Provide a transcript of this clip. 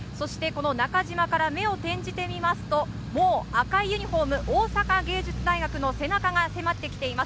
中島から目を転じるともう赤いユニホーム、大阪芸術大学の背中が迫ってきています。